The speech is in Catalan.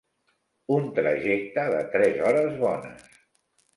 Un trajecte de tres hores bones.